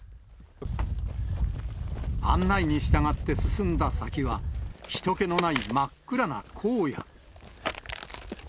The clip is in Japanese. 案内に従って進んだ先は、ひと気のない真っ暗な荒野。